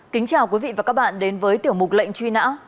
kính chào quý vị và các bạn đến với tiểu mục lệnh truy nã